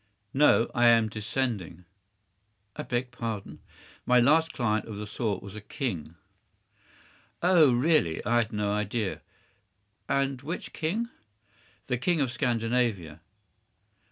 ” “No, I am descending.” “I beg pardon.” “My last client of the sort was a king.” “Oh, really! I had no idea. And which king?” “The King of Scandinavia.